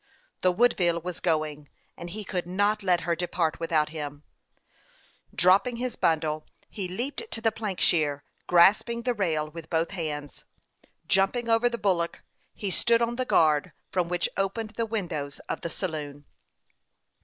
The Woodville was going, and he could not let her depart without him. Dropping his bundle, he leaped to the plank THE YOUNG PILOT OF LAKE CHAMPLAIN. 287 shear, grasping the rail with both hands. Jumping over the bulwark, he stood on the guard from which opened the windows of the saloon.